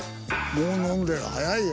もう飲んでる早いよ。